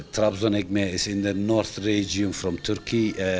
trabzon ekmey di bagian utara dari turki